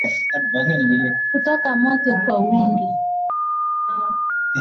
Kutoka mate kwa wingi